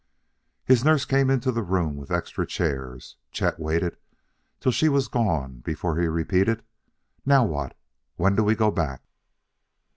His nurse came into the room with extra chairs; Chet waited till she was gone before he repeated: "Now what? When do we go back?"